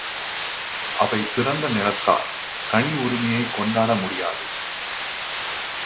அவை பிறந்த நிலத்தார், தனி உரிமையோ கொண்டாட முடியாது.